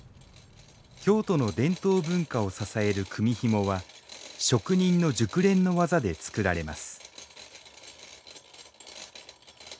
京都の伝統文化を支える組みひもは職人の熟練の技で作られます